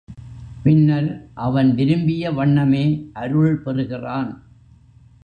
பின்னர் அவன் விரும்பிய வண்ணமே அருள் பெறுகிறான்.